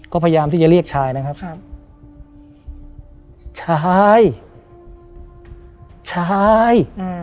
ก็พยายามที่จะเรียกชายนะครับชายชาย